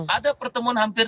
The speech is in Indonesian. ada pertemuan hampir